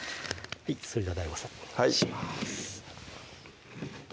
それではＤＡＩＧＯさんお願いします